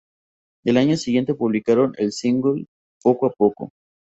El año siguiente publicaron el single "Poco a poco".